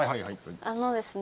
あのですね。